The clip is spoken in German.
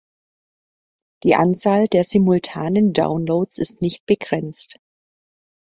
Die Anzahl der simultanen Downloads ist nicht begrenzt.